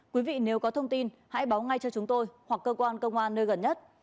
quý vị nếu có thông tin hãy báo ngay cho chúng tôi hoặc cơ quan công an nơi gần nhất